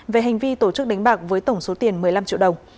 về hành vi tổ chức đánh bạc với tổng số tiền một mươi năm triệu đồng